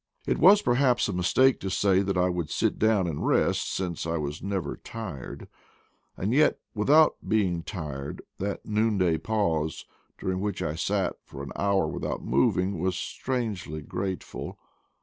It was perhaps a mistake to say that I would sit down and rest, since I was never tired: and yet without being tired, that noonday pause, during which I sat for an hour without moving, was strangely grateful.